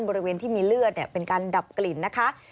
บริเวณที่มีเลือดเป็นการดับกลิ่นนะคะ